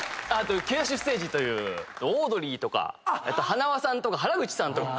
ケイダッシュステージというオードリーとかはなわさんとか原口さんと。